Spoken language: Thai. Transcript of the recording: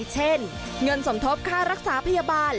เช่นเงินสมทบค่ารักษาพยาบาล